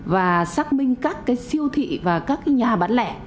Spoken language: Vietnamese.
và xác minh các siêu thị và các nhà bán lẻ